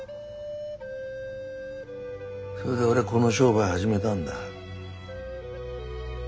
それで俺はこの商売始めたんだ。